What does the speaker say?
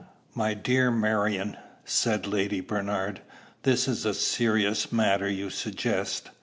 "My dear Marion," said Lady Bernard, "this is a serious matter you suggest.